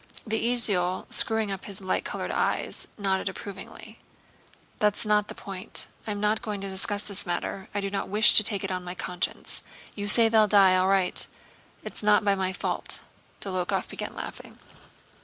The esaul, screwing up his light colored eyes, nodded approvingly. "That's not the point. I'm not going to discuss the matter. I do not wish to take it on my conscience. You say they'll die. All wight. Only not by my fault!" Dólokhov began laughing.